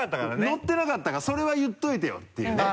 載ってなかったから「それは言っておいてよ」っていうね。